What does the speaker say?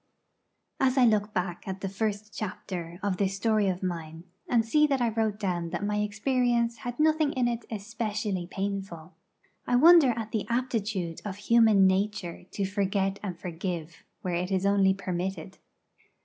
As I look back at the first chapter of this story of mine, and see that I wrote down that my experience had nothing in it especially painful, I wonder at the aptitude of human nature to forget and forgive, where it is only permitted.